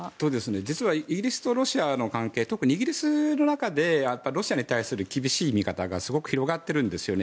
実はイギリスとロシアの関係特にイギリスの中でロシアに対する厳しい見方がすごく広がっているんですね。